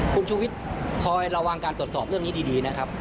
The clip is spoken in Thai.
คุณชูวิทย์คอยระวังการตรวจสอบเรื่องนี้ดีนะครับ